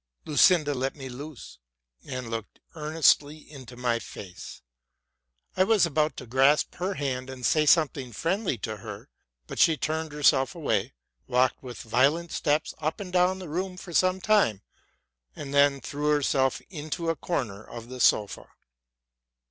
Lucinda let me loose, and looked earnestly into my face. Iwas about to grasp her hand and say something friendly to her; but she turned herself away, walked with violent steps up and down the room for some time, and then threw herself into a corner of the sofa.